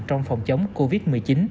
trong phòng chống covid một mươi chín